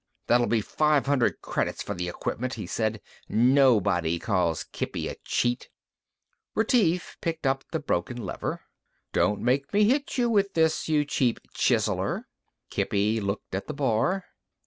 "That'll be five hundred credits for the equipment," he said. "Nobody calls Kippy a cheat." Retief picked up the broken lever. "Don't make me hit you with this, you cheap chiseler." Kippy looked at the bar.